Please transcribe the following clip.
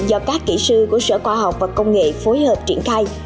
do các kỹ sư của sở khoa học và công nghệ phối hợp triển khai